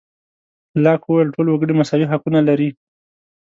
لاک وویل ټول وګړي مساوي حقونه لري.